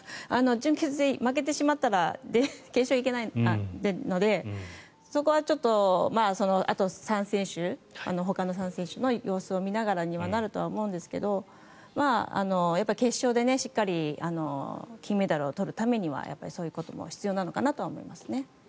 準決で負けてしまったら決勝に行けないのでそこはあと３選手ほかの３選手の様子を見ながらにはなると思うんですけど決勝でしっかり金メダルを取るためにはそういうことも必要なのかなとは思いますね。